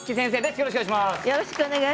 よろしくお願いします。